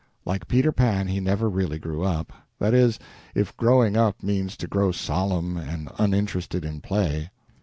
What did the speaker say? Like Peter Pan, he never really grew up that is, if growing up means to grow solemn and uninterested in play.